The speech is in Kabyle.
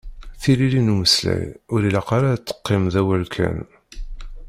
Tilelli n umeslay, ur ilaq ara ad teqqim d awal kan.